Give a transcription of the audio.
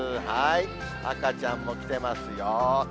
赤ちゃんも来てますよ。